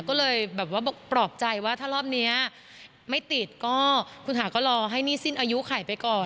ก็เลยแบบว่าปลอบใจว่าถ้ารอบนี้ไม่ติดก็คุณหาก็รอให้หนี้สิ้นอายุไขไปก่อน